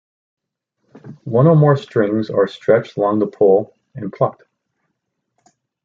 One or more strings are stretched along the pole and plucked.